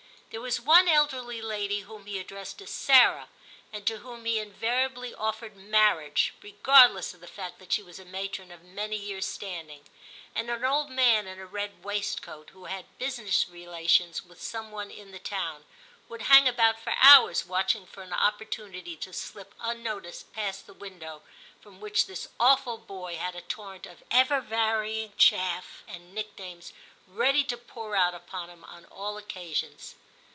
There was one elderly lady whom he addressed as Sarah, and to whom he invariably offered marriage, regardless of the fact that she was a matron of many years' standing ; and an old man in a red waistcoat, VI TIM 127 who had business relations with some one in the town, would hang about for hours watch ing for an opportunity to slip unnoticed past the window from which this awful boy had a torrent of ever varying chaff and nicknames ready to pour out upon him on all occasions.